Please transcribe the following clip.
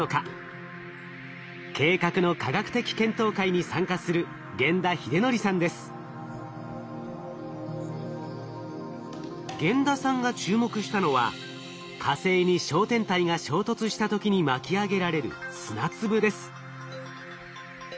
計画の科学的検討会に参加する玄田さんが注目したのは火星に小天体が衝突した時に巻き上げられる砂粒です。